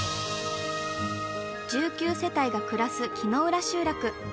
１９世帯が暮らす木ノ浦集落。